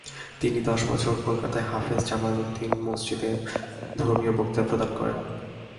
তিনি দশ বছর কলকাতায় হাফেজ জামালউদ্দিন মসজিদে ধর্মীয় বক্তৃতা প্রদান করেন।